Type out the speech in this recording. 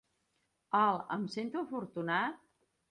El "Em sento afortunat"?